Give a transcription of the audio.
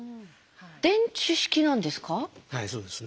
電池式なんですか？